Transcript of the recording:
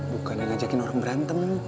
bukan yang ngajakin orang berantem